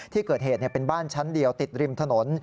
ที่เกิดเหตุเป็นบ้านชั้นเดียวติดริมถนน